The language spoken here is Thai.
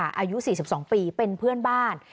อายุ๔๒ปีเป็นเพื่อนบ้าน